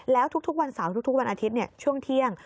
แล้วทุกวันเสาร์ทุกวันอาทิตย์ช่วงเที่ยง